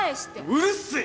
うるせえ！